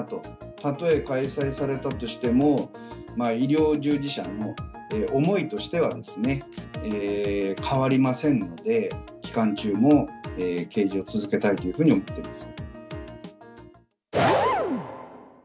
たとえ開催されたとしても、医療従事者の思いとしてはですね、変わりませんので、期間中も掲示を続けたいというふうに思っております。